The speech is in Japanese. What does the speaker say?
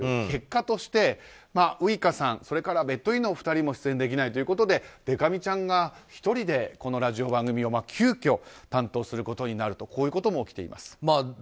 結果としてウイカさんそれからベッド・インのお二人も出演できないということででか美ちゃんが１人でこのラジオ番組を急きょ担当することになるとこういうことも起きています。